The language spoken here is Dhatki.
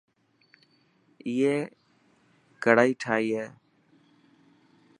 ائي ڪڙائي ٺاهي هي.